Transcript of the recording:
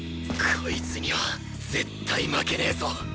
こいつには絶対負けねぞ